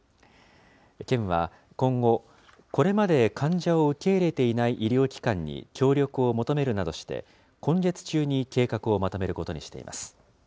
県は今後、これまで患者を受け入れていない医療機関に協力を求めるなどして、今月中に計画をまとめることにしています。